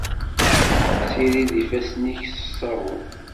Ssirid ifassen-ik s ṣṣabun.